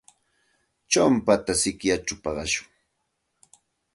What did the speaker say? Chumpata sikyachaw paqashun.